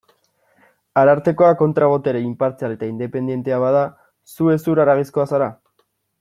Arartekoa kontra-botere inpartzial eta independentea bada, zu hezur-haragizkoa zara?